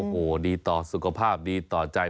โอ้โหดีต่อสุขภาพดีต่อใจ